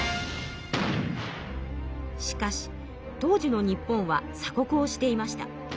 しかし当時の日本は鎖国をしていました。